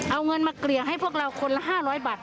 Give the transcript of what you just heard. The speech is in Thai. เอาเงินมาเกลี่ยงให้พวกเราคนละ๕๐๐บาท